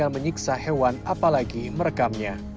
penyiksa hewan apalagi merekamnya